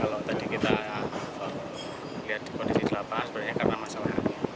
kalau tadi kita melihat di kondisi di lapangan sebenarnya karena masalah angin